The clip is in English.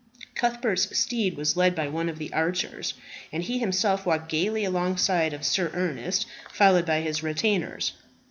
Cuthbert's steed was led by one of the archers, and he himself walked gaily alongside of Sir Ernest, followed by his retainers.